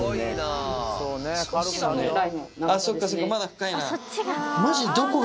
そっかそっかまだ深いな。